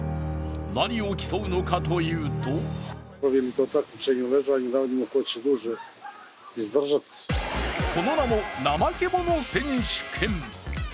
何を競うのかというとその名も、怠け者選手権。